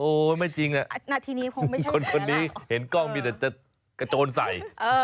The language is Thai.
โอ้ไม่จริงอ่ะคนนี้เห็นกล้องมีแต่จะโจรใส่